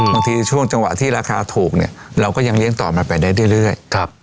ช่วงจังหวะที่ราคาถูกเนี่ยเราก็ยังเลี้ยงต่อมันไปได้เรื่อย